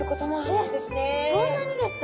えっそんなにですか？